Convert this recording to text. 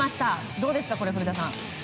どうですか、古田さん。